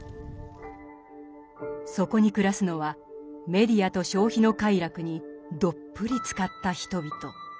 そこに暮らすのはメディアと消費の快楽にどっぷりつかった人々。